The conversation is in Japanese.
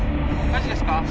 火事ですか？